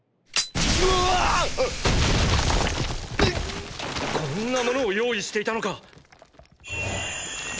おわぁぁ！！ッ！！こんなものを用意していたのか！